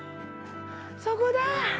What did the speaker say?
そこだ！